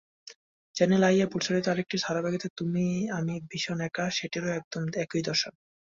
Channel আইয়ে প্রচারিত আরেকটি ধারাবাহিক তুমি আমি ভীষণ একা, সেটিরও একই দশা।